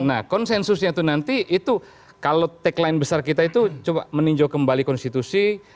nah konsensusnya itu nanti itu kalau tagline besar kita itu coba meninjau kembali konstitusi